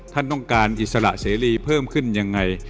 ท่านต้องการอิสระเสรีเพิ่มขึ้นยังไง